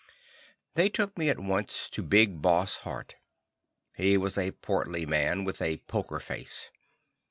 They took me at once to Big Boss Hart. He was a portly man with a "poker face."